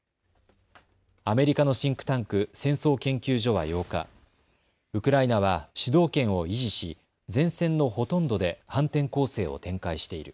アメリカのシンクタンク、戦争研究所は８日、ウクライナは主導権を維持し前線のほとんどで反転攻勢を展開している。